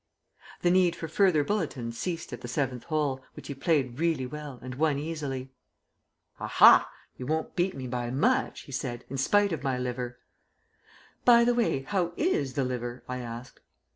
The need for further bulletins ceased at the seventh hole, which he played really well and won easily. "A ha, you won't beat me by much," he said, "in spite of my liver." "By the way, how is the liver?" I asked.